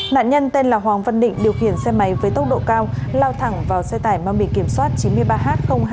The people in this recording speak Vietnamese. nạn nhân tên là hoàng văn định điều khiển xe máy với tốc độ cao lao thẳng vào xe tải mang bị kiểm soát chín mươi ba h hai nghìn sáu trăm năm mươi hai